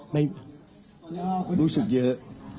ไม่รู้สึกเยอะ